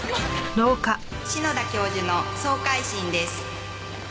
「篠田教授の総回診です」